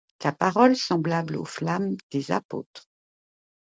Ta parole semblable aux flammes des apôtres ;